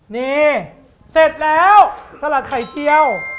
นี่เสร็จแล้วสลัดไข่เจียว